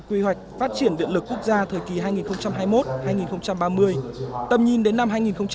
quy hoạch phát triển điện lực quốc gia thời kỳ hai nghìn hai mươi một hai nghìn ba mươi tầm nhìn đến năm hai nghìn năm mươi